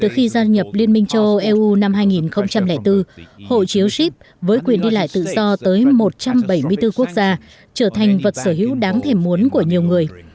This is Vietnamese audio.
khi gia nhập liên minh châu âu eu năm hai nghìn bốn hộ chiếu ship với quyền đi lại tự do tới một trăm bảy mươi bốn quốc gia trở thành vật sở hữu đáng thềm muốn của nhiều người